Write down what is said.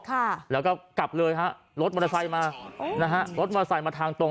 ค่ะแล้วก็กลับเลยฮะรถมอเตอร์ไซค์มานะฮะรถมอเตอร์ไซค์มาทางตรง